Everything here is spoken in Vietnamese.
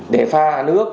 để pha nước